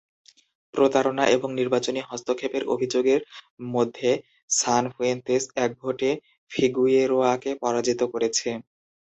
প্রতারণা এবং নির্বাচনী হস্তক্ষেপের অভিযোগের মধ্যে সানফুয়েন্তেস এক ভোটে ফিগুয়েরোয়াকে পরাজিত করেছে।